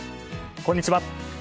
こんにちは。